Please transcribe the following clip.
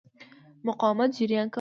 مقاومت جریان کموي.